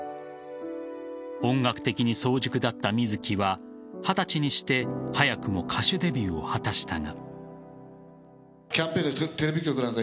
音楽的に早熟だった水木は二十歳にして早くも歌手デビューを果たしたが。